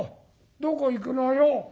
どこ行くのよ。